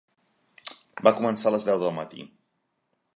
Va començar a les deu del matí.